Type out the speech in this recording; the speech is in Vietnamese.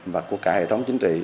và của cả hệ thống chính trị